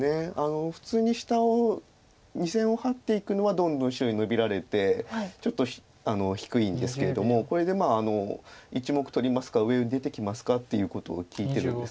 普通に下を２線をハッていくのはどんどん白にノビられてちょっと低いんですけれどもこれで１目取りますか上に出てきますかっていうことを聞いてるんです。